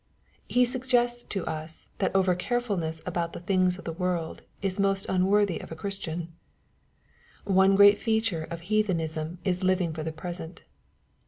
He suggests to us, that over carefulness about the things of this world is most unworthy of a Christian. One great feature of heathenism is living for the present.